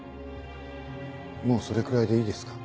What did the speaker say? もうそれくらいでいいですか？